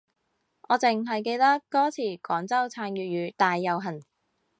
我淨係記得歌詞廣州撐粵語大遊行